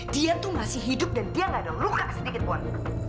dia tuh masih hidup dan dia gak ada luka sedikit pun